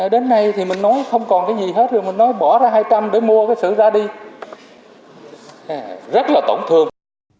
đến nay thì mình nói không còn cái gì hết rồi mình nói bỏ ra hai trăm linh để mua cái sự ra đi rất là tổn thương